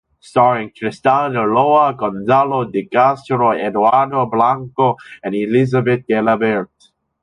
Starring Tristán Ulloa, Gonzalo de Castro, Eduardo Blanco and Elisabet Gelabert.